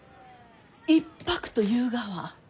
一泊というがは？